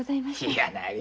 いやなに。